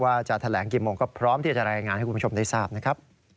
ว่าจะแถลงกี่โมงก็พร้อมที่จะรายงานให้คุณผู้ชมได้ทราบนะครับ